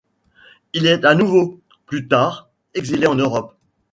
Il est à nouveau, plus tard, exilé en Europe.